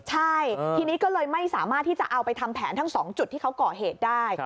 ใช่ทีนี้ก็เลยไม่สามารถที่จะเอาไปทำแผนทั้ง๒จุดที่เขาก่อเหตุได้